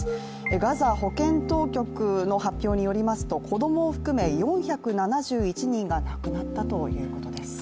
ガザ保健当局の発表によりますと子供を含め４７１人が亡くなったということです。